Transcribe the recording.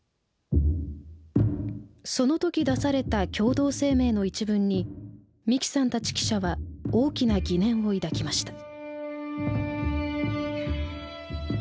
その時出された共同声明の一文に三木さんたち記者は大きな疑念を抱きました。